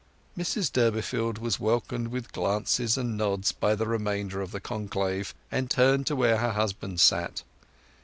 Mrs Durbeyfield was welcomed with glances and nods by the remainder of the conclave, and turned to where her husband sat.